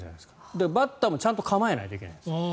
だから、バッターもちゃんと構えなきゃいけないんです。